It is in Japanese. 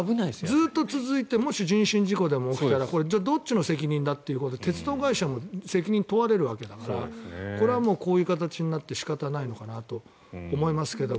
ずっと続いてもし人身事故が起きたらこれじゃあどっちの責任だって鉄道会社も責任を問われるからこれはこういう形になって仕方ないのかなと思いますけど。